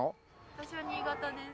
私は新潟です。